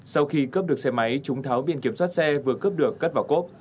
sau khi cướp được xe máy chúng tháo biển kiểm soát xe vừa cướp được cất vào cốp